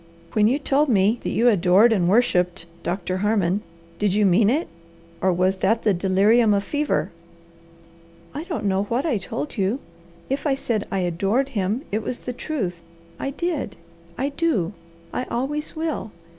When you told me that you 'adored and worshipped' Doctor Harmon, did you mean it, or was that the delirium of fever?" "I don't know WHAT I told you! If I said I 'adored' him, it was the truth. I did! I do! I always will!